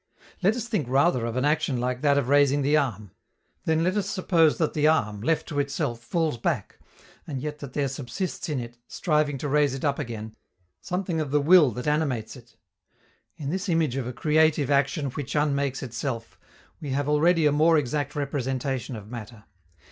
Let us think rather of an action like that of raising the arm; then let us suppose that the arm, left to itself, falls back, and yet that there subsists in it, striving to raise it up again, something of the will that animates it. In this image of a creative action which unmakes itself we have already a more exact representation of matter.